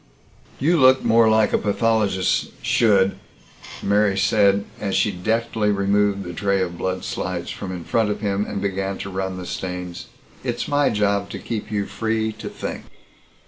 "You look more like a pathologist should," Mary said as she deftly removed the tray of blood slides from in front of him and began to run the stains. "It's my job to keep you free to think."